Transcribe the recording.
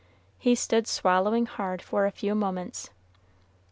He stood swallowing hard for a few moments.